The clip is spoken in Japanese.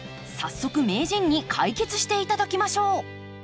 早速名人に解決して頂きましょう。